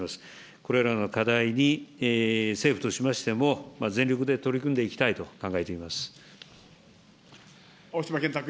これらの課題に政府としましても、全力で取り組んでいきたいと考え青島健太君。